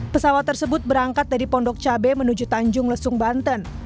pesawat tersebut berangkat dari pondok cabe menuju tanjung lesung banten